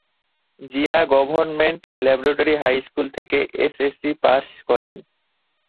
Zia government laboratory high school থেকে SSC pass করেন।